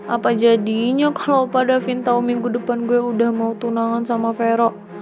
apa jadinya kalau opa davin tau minggu depan gue udah mau tunangan sama vero